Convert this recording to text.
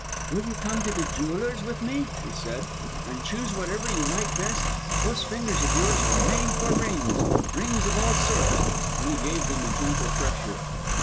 "Will you come to the jeweller's with me," he said, "and choose whatever you like best. Those fingers of yours are made for rings rings of all sorts!" and he gave them a gentle pressure.